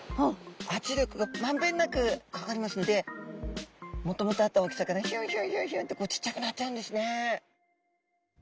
圧力がまんべんなくかかりますのでもともとあった大きさからヒュンヒュンヒュンってこうちっちゃくなっちゃうんですね。